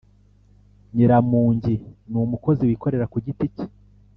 Nyiramungi n’umukozi wikorera kugiti cye